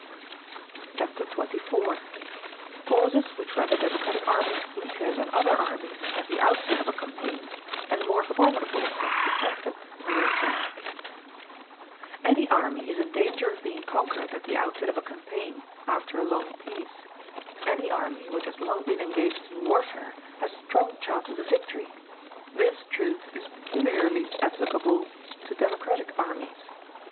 Chapter XXIV: Causes Which Render Democratic Armies Weaker Than Other Armies At The Outset Of A Campaign, And More Formidable In Protracted Warfare Any army is in danger of being conquered at the outset of a campaign, after a long peace; any army which has long been engaged in warfare has strong chances of victory: this truth is peculiarly applicable to democratic armies.